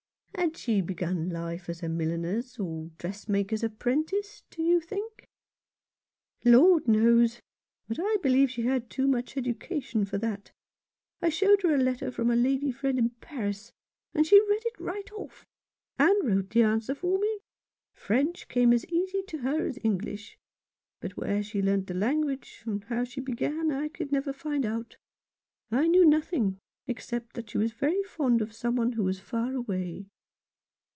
" Had she begun life as a milliner's or dress maker's apprentice, do you think ?"" Lord knows ; but I believe she had too much education for that. I showed her a letter from a lady friend in Paris, and she read it right off, and wrote the answer for me. French came as easy to her as English. But where she learnt the language, or how she began, I never could find out. I knew nothing except that she was very fond of some one who was far away."